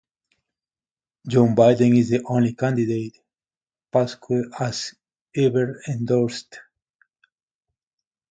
Joe Biden is the only candidate Pascoe has ever endorsed.